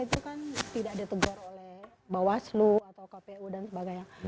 tidak ditegur oleh bawaslu atau kpu dan sebagainya